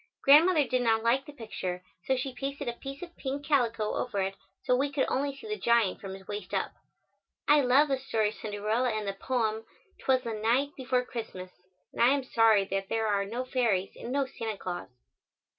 Grandmother did not like the picture, so she pasted a piece of pink calico over it, so we could only see the giant from his waist up. I love the story of Cinderella and the poem, "'Twas the night before Christmas," and I am sorry that there are no fairies and no Santa Claus.